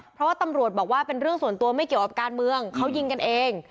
เพราะว่าตำรวจบอกว่าเป็นเรื่องส่วนตัวไม่เกี่ยวกับการเมืองเขายิงกันเอง